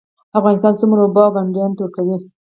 افغانستان څومره اوبه ګاونډیانو ته ورکوي؟